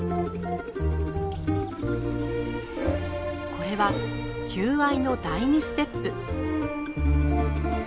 これは求愛の第２ステップ。